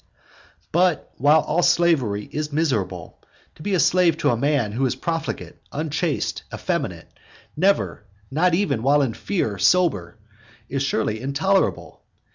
V. But, while all slavery is miserable, to be slave to a man who is profligate, unchaste, effeminate, never, not even while in fear, sober, is surely intolerable.